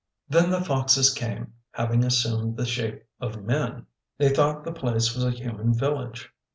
Then the foxes came, having assumed the shape of men. They thought the place was a human village.